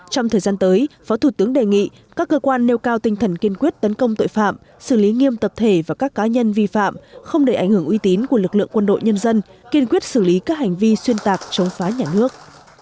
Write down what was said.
trong thời gian tới phó thủ tướng đề nghị các cơ quan nêu cao tinh thần kiên quyết tấn công tội phạm xử lý nghiêm tập thể và các cá nhân vi phạm không để ảnh hưởng uy tín của lực lượng quân đội nhân dân kiên quyết xử lý các hành vi xuyên tạc chống phá nhà nước